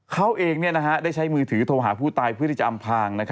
เขาเองได้ใช้มือถือโทรหาผู้ตายเพื่อที่จะอำพาง